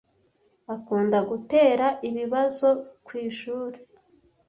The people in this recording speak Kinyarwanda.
akunda gutera ibibazo kwishuri.